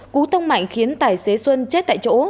cú tông mạnh khiến tài xế xuân chết tại chỗ